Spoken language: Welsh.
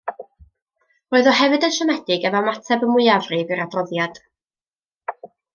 Roedd o hefyd yn siomedig efo ymateb y mwyafrif i'r adroddiad.